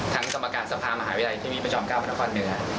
ทั้งตรรมการสภาพมหาวิทยาลัยที่มีประจอมกล้าวมนครเนื้อ